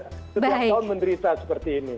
setiap tahun menderita seperti ini